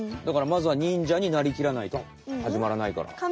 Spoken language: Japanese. だからまずは忍者になりきらないとはじまらないから。